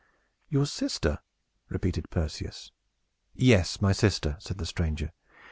"Your sister?" repeated Perseus. "Yes, my sister," said the stranger.